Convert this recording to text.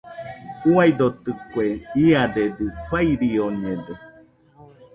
Uaidotɨkue, iadedɨ fairioñede.